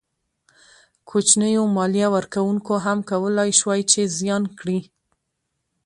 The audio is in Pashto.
کوچنیو مالیه ورکوونکو هم کولای شوای چې زیان کړي.